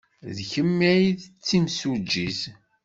D kemm ay d timsujjit.